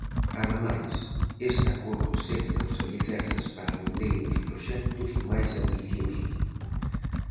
Ademais, este acordo senta os alicerces para vindeiros proxectos máis ambiciosos.